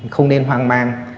không nên hoang mang